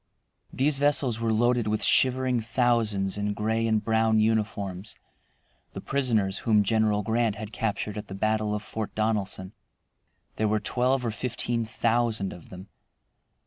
These vessels were loaded with shivering thousands in gray and brown uniforms, the prisoners whom General Grant had captured at the battle of Fort Donelson. There were twelve or fifteen thousand of them.